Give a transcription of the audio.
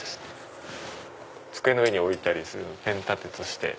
机の上に置いたりするペン立てとして。